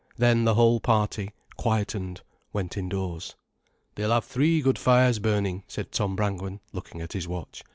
Then the whole party, quietened, went indoors. "They'll have three good fires burning," said Tom Brangwen, looking at his watch.